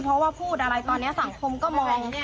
เพราะว่าพูดอะไรตอนนี้สังคมก็มอง